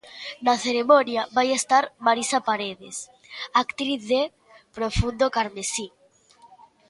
Na cerimonia vai estar Marisa Paredes, actriz de 'Profundo carmesí'.